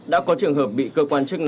đã có trường hợp bị cơ quan chức năng